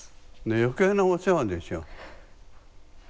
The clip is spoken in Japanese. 余計なお世話でしょ。